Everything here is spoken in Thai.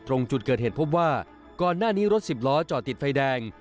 ตรงจุดเกิดเหตุพบว่าก่อนหน้านี้รถสิบล้อจอดติดไฟแดง